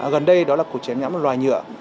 gần đây đó là cuộc triển lãm loài nhựa